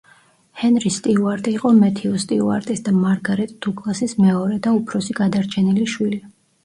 ჰენრი სტიუარტი იყო მეთიუ სტიუარტის და მარგარეტ დუგლასის მეორე და უფროსი გადარჩენილი შვილი.